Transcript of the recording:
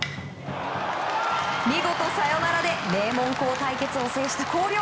見事サヨナラで名門校対決を制した広陵。